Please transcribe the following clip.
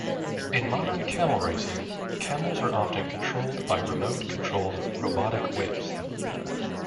In modern camel racing, camels are often controlled by remote controlled robotic whips.